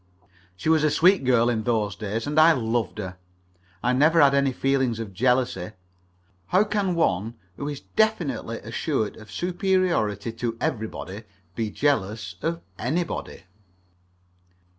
She was a sweet girl in those days, and I loved her. I never had any feelings of jealousy. How can one who is definitely assured of superiority to everybody be jealous of anybody?